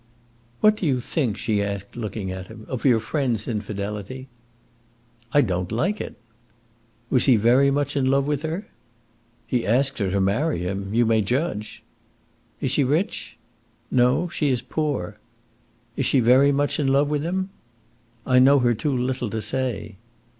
"What do you think," she asked, looking at him, "of your friend's infidelity?" "I don't like it." "Was he very much in love with her?" "He asked her to marry him. You may judge." "Is she rich?" "No, she is poor." "Is she very much in love with him?" "I know her too little to say."